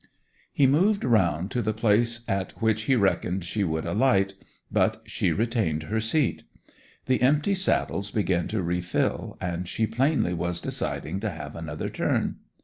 He moved round to the place at which he reckoned she would alight; but she retained her seat. The empty saddles began to refill, and she plainly was deciding to have another turn.